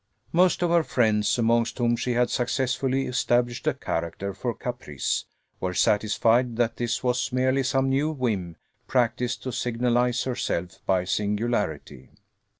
Most of her friends, amongst whom she had successfully established a character for caprice, were satisfied that this was merely some new whim, practised to signalize herself by singularity.